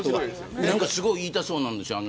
何かすごい言いたそうです